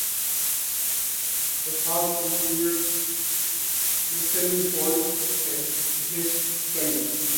The cast included Lucille Ball as Mrs Kelly.